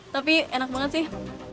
tapi enak banget sih